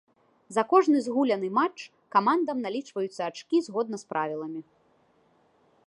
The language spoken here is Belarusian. За кожны згуляны матч камандам налічваюцца ачкі згодна з правіламі.